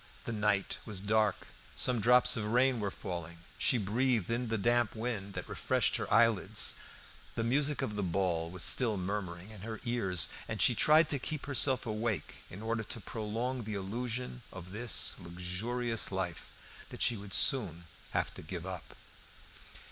The night was dark; some drops of rain were falling. She breathed in the damp wind that refreshed her eyelids. The music of the ball was still murmuring in her ears. And she tried to keep herself awake in order to prolong the illusion of this luxurious life that she would soon have to give up.